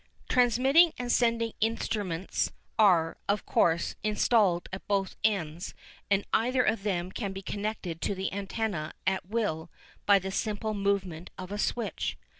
Transmitting and sending instruments are, of course, installed at both ends and either of them can be connected to the antenna at will by the simple movement of a switch.